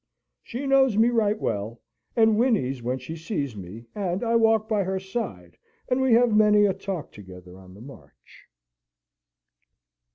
She knows me right well, and whinnies when she sees me, and I walk by her side, and we have many a talk together on the march.